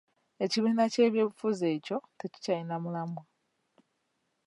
Ekibiina ky'ebyobufuzi ekyo tekikyayina mulamwa.